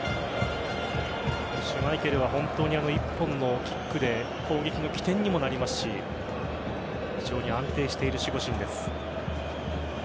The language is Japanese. シュマイケルは本当に一本のキックで攻撃の起点にもなりますし非常に安定している守護神です。